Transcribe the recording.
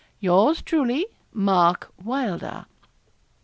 'Yours truly, 'MARK WYLDER.'